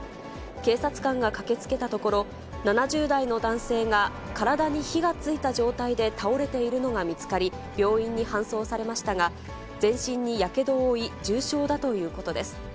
警察官が駆けつけたところ、７０代の男性が体に火がついた状態で倒れているのが見つかり、病院に搬送されましたが、全身にやけどを負い、重傷だということです。